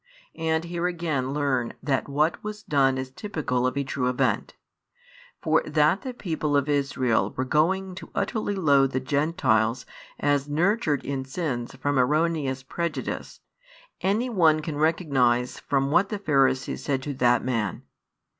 And here again learn that what was done is typical of a true event: for that the people of Israel were going to utterly loathe the Gentiles as nurtured in sins from erroneous prejudice, any one can recognise from what the Pharisees said to that man.